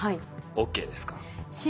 ＯＫですか？